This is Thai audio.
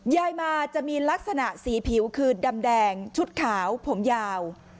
ยายมาจะมีลักษณะสีผิวคือดำแดงชุดขาวผมยาว